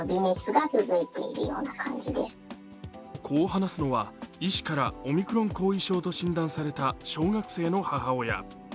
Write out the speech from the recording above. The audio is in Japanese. こう話すのは医師からオミクロン後遺症と診断された小学生の母親。